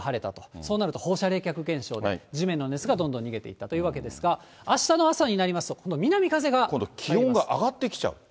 そうなると放射冷却現象と、地面の熱がどんどん逃げていったというわけですが、あしたの朝になりますと、今度気温が上がってきちゃう。